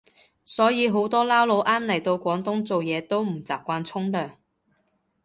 所以好多撈佬啱嚟到廣東做嘢都唔習慣沖涼